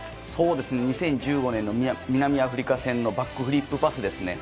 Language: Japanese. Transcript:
２０１５年の南アフリカ戦のバックフリップパスですね。